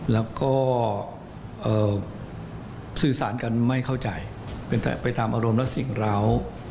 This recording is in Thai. แล้วก็สื่อสารกันไม่เข้าใจเป็นแต่ไปตามอารมณ์และสิ่งร้าว